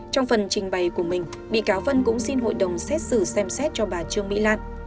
trong phần trình bày của mình bị cáo vân cũng xin hội đồng xét xử xem xét cho bà trương mỹ lan